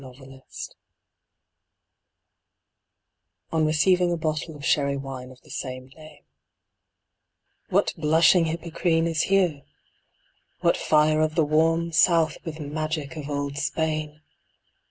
DON QUIXOTE On receiving a bottle of Sherry Wine of the same name What "blushing Hippocrene" is here! what fire Of the "warm South" with magic of old Spain!